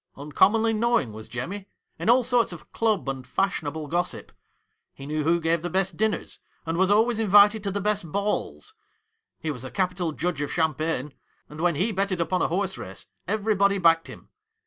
Uncommonly knowing was Jemmy in all sorts of club and fashionable gossip. He knew who gave the best dinners, and was always invited to the best balls. He was a capital judge of champagne, and when he betted upon a horse race everybody backed him.